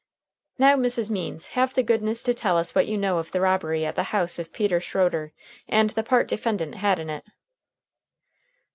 "Now, Mrs. Means, have the goodness to tell us what you know of the robbery at the house of Peter Schroeder, and the part defendant had in it."